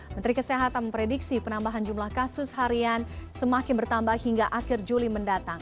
menteri kesehatan memprediksi penambahan jumlah kasus harian semakin bertambah hingga akhir juli mendatang